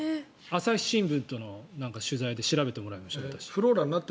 朝日新聞との取材で調べてもらいました、私。